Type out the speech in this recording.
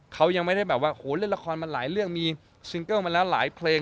เขายังไม่ได้แบบว่าโหเล่นละครมาหลายเรื่องมีซิงเกิลมาแล้วหลายเพลง